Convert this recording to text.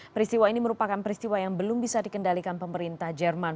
peristiwa ini merupakan peristiwa yang belum bisa dikendalikan pemerintah jerman